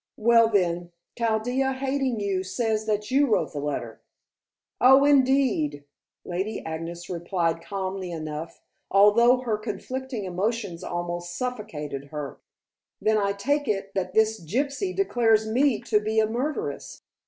"Well, then, Chaldea hating you, says that you wrote the letter." "Oh, indeed." Lady Agnes replied calmly enough, although her conflicting emotions almost suffocated her. "Then I take it that this gypsy declares me to be a murderess."